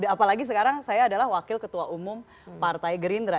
apalagi sekarang saya adalah wakil ketua umum partai gerindra